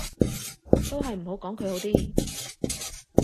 都係唔好講佢好啲